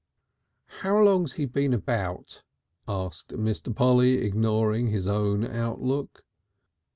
"How long's he been about?" asked Mr. Polly, ignoring his own outlook.